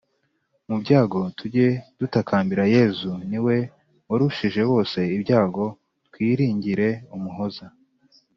Mubyago tujye dutakambira yezu niwe warushije bose ibyago twiringire umuhoza